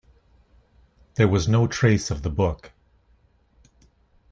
There was no trace of the book.